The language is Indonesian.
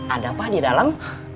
ada pak di dalam